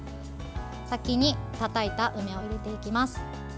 先にたたいた梅を入れていきます。